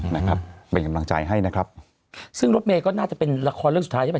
นะครับเป็นกำลังใจให้นะครับซึ่งรถเมย์ก็น่าจะเป็นละครเรื่องสุดท้ายใช่ไหม